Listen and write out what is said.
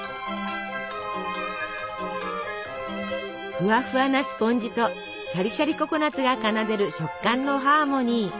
ふわふわなスポンジとシャリシャリココナツが奏でる食感のハーモニー。